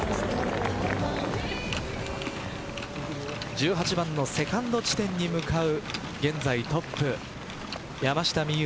１８番のセカンド地点に向かう現在トップ山下美夢